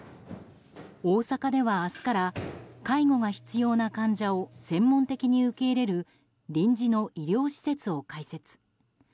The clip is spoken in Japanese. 大阪では明日から介護が必要な患者を専門的に受け入れる臨時の医療施設を開設。